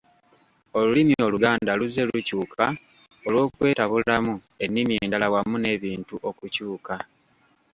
Olulimi Oluganda luzze lukyuka olw’okwetabulamu ennimi endala wamu n’ebintu okukyuka.